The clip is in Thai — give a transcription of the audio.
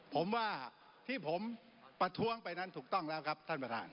ผมว่าที่ผมประท้วงไปนั้นถูกต้องแล้วครับท่านประธาน